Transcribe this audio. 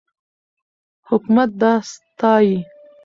حکومت دا ستایي.